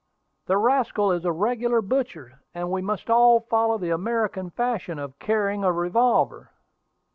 "The rascal is a regular butcher, and we must all follow the American fashion of carrying a revolver."